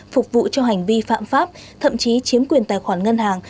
phục vụ cho hành vi phạm pháp thậm chí chiếm quyền tài khoản ngân hàng